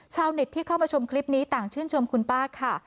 ชาวเน็ตที่เข้ามาชมคลิปนี้ต่างชื่นชมคุณป้าค่ะ